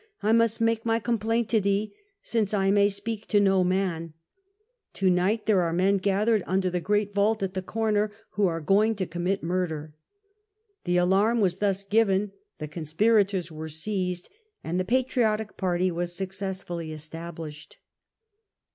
I must make my complaint to thee, since I may speak to no man : to night there are men gathered under the great vault at the corner, who are going to commit murder." The alarm was thus given, the conspirators were seized and the patriotic party was successfully established.